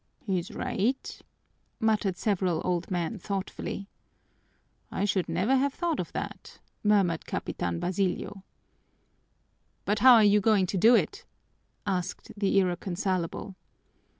"He's right," muttered several old men thoughtfully. "I should never have thought of that," murmured Capitan Basilio. "But how are you going to do it?" asked the irreconcilable.